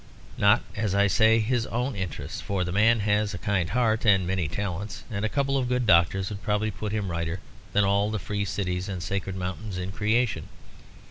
Not, as I say, his own interests, for the man has a kind heart and many talents, and a couple of good doctors would probably put him righter than all the free cities and sacred mountains in creation.